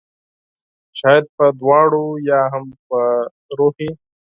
شاید په دواړو ؟ یا هم په روحي